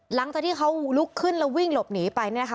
หลังจากที่เขาลุกขึ้นแล้ววิ่งหลบหนีไปเนี่ยนะคะ